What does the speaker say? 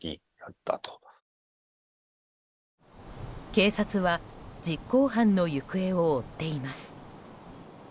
警察は実行犯の行方を追っています。